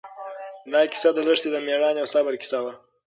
دا کیسه د لښتې د مېړانې او صبر کیسه وه.